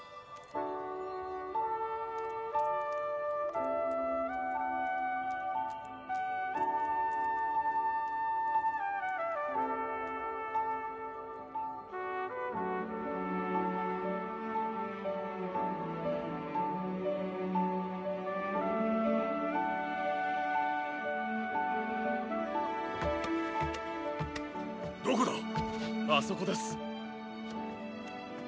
あそこです。